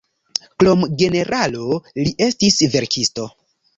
Krom generalo, li estis verkisto.